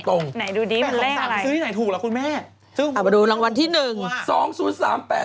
ไหนดูดีมันเลขอะไร๘๒๓มันซื้อที่ไหนถูกล่ะคุณแม่